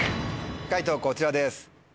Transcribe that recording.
解答こちらです。